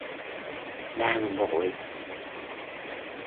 Đang vội